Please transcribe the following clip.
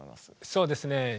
そうですね